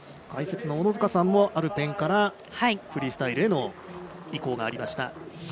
解説の小野塚さんもアルペンからフリースタイルへの移行がありました。